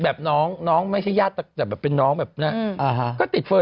อึกอึกอึกอึกอึกอึกอึก